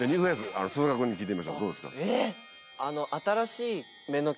鈴鹿君に聞いてみましょうどうですか？